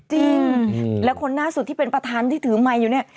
จริงแล้วคนล่าสุดที่เป็นประธานที่ถือไมค์อยู่เนี่ย